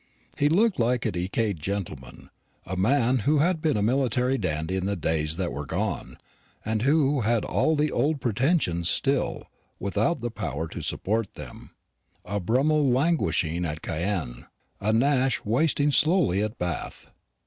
He looked like a decayed gentleman a man who had been a military dandy in the days that were gone, and who had all the old pretensions still, without the power to support them a Brummel languishing at Caen; a Nash wasting slowly at Bath.